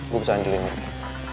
gua bisa anjalin mita